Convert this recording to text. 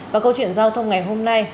và câu chuyện giao thông ngày hôm nay